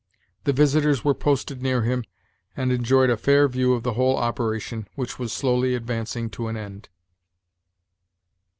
The visitors were posted near him, and enjoyed a fair view of the whole operation, which was slowly advancing to an end.